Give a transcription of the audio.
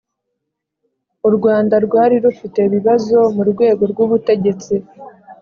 u rwanda rwari rufite ibibazo mu rwego rw'ubutegetsi